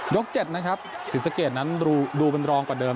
๗นะครับศรีสะเกดนั้นดูเป็นรองกว่าเดิม